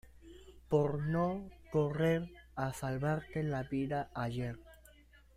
por no correr a salvarte la vida ayer.